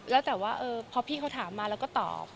แล้วแต่ว่าพอพี่เขาถามมาเราก็ตอบ